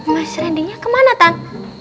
mas rendinya kemana tan